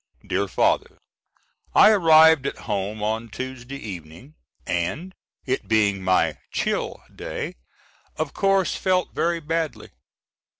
DEAR FATHER: I arrived at home on Tuesday evening, and, it being my "chill" day, of course felt very badly.